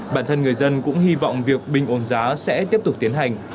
bản thân người dân cũng hy vọng việc bình ổn giá sẽ tiếp tục tiến hành